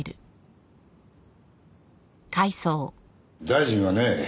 大臣はね